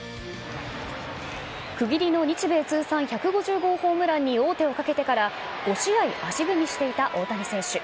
区切りの日米通算１５０号ホームランに王手をかけてから５試合足踏みしていた大谷選手。